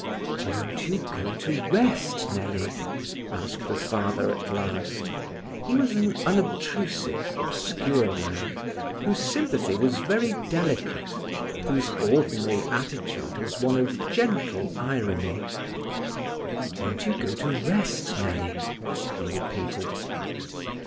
"Won't you go to rest, Nellie?" asked the father at last. He was an unobtrusive, obscure man, whose sympathy was very delicate, whose ordinary attitude was one of gentle irony. "Won't you go to rest, Nellie?" he repeated.